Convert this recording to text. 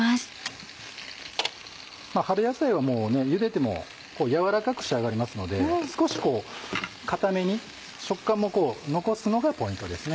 春野菜はゆでても軟らかく仕上がりますので少し硬めに食感も残すのがポイントですね。